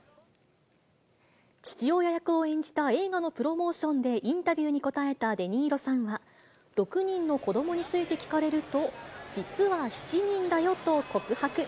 父親役を演じた映画のプロモーションで、インタビューに答えたデ・ニーロさんは６人の子どもについて聞かれると、実は７人だよと告白。